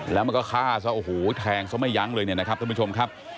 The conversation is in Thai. แล้วมันก็ฆ่าซะโอ้โหแทงซะไม่ยั้งเลยเนี่ยนะครับท่านผู้ชมครับ